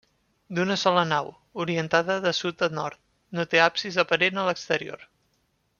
D'una sola nau, orientada de sud a nord, no té absis aparent a l'exterior.